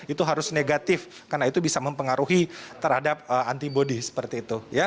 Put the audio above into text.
itu harus negatif karena itu bisa mempengaruhi terhadap antibody seperti itu